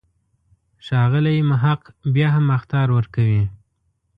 ښاغلی محق بیا هم اخطار ورکوي.